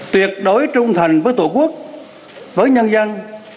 tuyệt đối trung thành với tổ quốc với nhân dân